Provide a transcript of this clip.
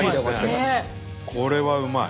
これはうまい！